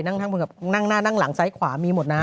นั่งข้างคนขับนั่งหน้านั่งหลังซ้ายขวามีหมดน่ะ